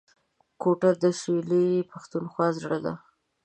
کوټه د سویلي پښتونخوا زړه دی